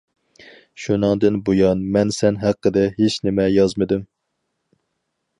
شۇنىڭدىن بۇيان مەن سەن ھەققىدە ھېچ نېمە يازمىدىم.